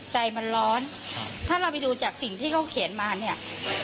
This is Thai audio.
ใจมันร้อนถ้าเราไปดูจากสิ่งที่เขาเขียนมาเนี่ย